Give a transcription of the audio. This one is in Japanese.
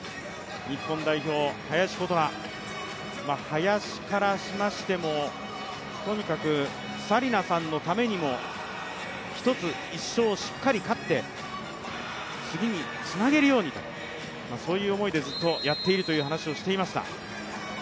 林からしましても、とにかく紗理那さんのためにも一つ、１勝、しっかり勝って次につなげるようにと、そういう思いでずっとやっているという話をしていました。